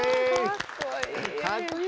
かっこいい！